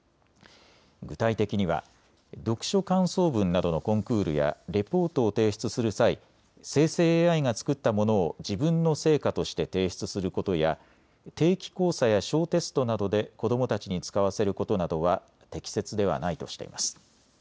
具体的には読書感想文などのコンクールやレポートを提出する際、生成ＡＩが作ったものを自分の成果として提出することや定期考査や小テストなどで子どもたちに使わせることなどは適切ではないとしています。